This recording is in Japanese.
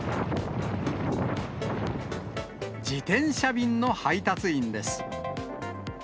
自転車便の配達員です。